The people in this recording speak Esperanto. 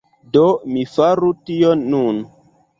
Do mi faru tion nun.